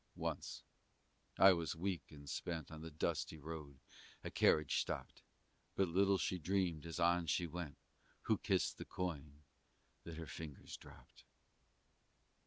Once: I was weak and spent On the dusty road: a carriage stopped: But little she dreamed, as on she went, Who kissed the coin that her fingers dropped!